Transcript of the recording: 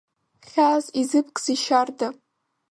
Хьаас изыбкзеи, Шьарда!